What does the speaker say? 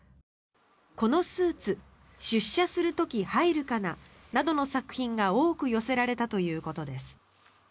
「このスーツ出社するとき入るかな」などの作品が多く寄せられたということです。